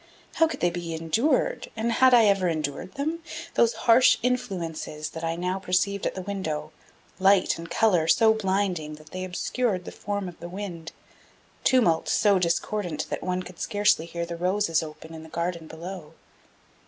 How could they be endured and had I ever endured them? those harsh influences that I now perceived at the window; light and color so blinding that they obscured the form of the wind, tumult so discordant that one could scarcely hear the roses open in the garden below?